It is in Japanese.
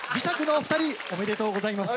ありがとうございます。